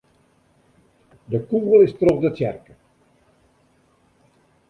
De kûgel is troch de tsjerke.